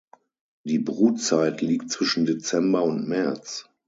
Die Brutzeit liegt zwischen Dezember und März.